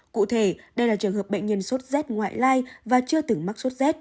cụ thể đây là trường hợp bệnh nhân sốt rét ngoại lai và chưa từng mắc sốt z